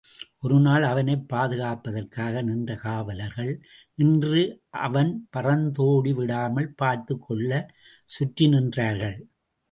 ஒரு நாள் அவனைப் பாதுகாப்பதற்காக நின்ற காவலர்கள், இன்று அவன் பறந்தோடிவிடாமல் பார்த்துக் கொள்ளச் சுற்றி நின்றார்கள்.